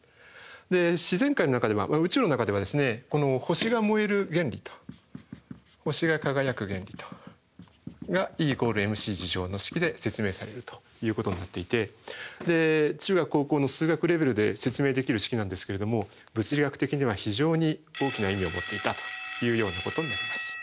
で自然界の中では宇宙の中では星が燃える原理と星が輝く原理とがＥ＝ｍｃの式で説明されるということになっていて中学高校の数学レベルで説明できる式なんですけれども物理学的には非常に大きな意味を持っていたというようなことになります。